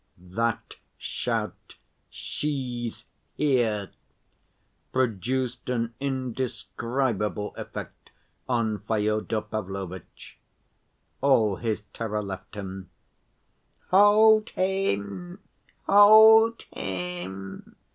That shout, "She's here!" produced an indescribable effect on Fyodor Pavlovitch. All his terror left him. "Hold him! Hold him!"